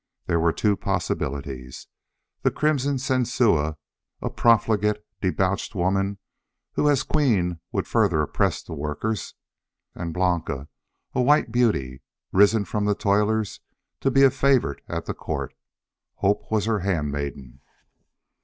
There were two possibilities. The Crimson Sensua, a profligate, debauched woman who, as queen, would further oppress the workers. And Blanca, a white beauty, risen from the toilers to be a favorite at the Court. Hope was her handmaiden.